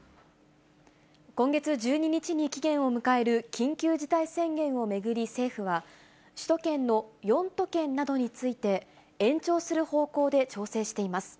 今月１２日に期限を迎える緊急事態宣言を巡り、政府は、首都圏の４都県などについて、延長する方向で調整しています。